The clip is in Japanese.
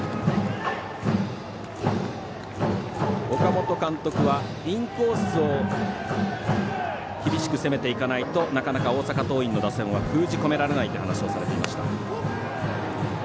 岡本監督はインコースを厳しく攻めていかないとなかなか大阪桐蔭の打線は封じ込められないと話をされていました。